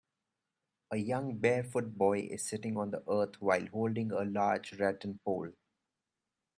A young barefoot boy is sitting on the earth while holding a large rattan pole.